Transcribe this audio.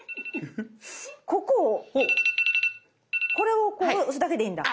ここをこれをこう押すだけでいいんだ。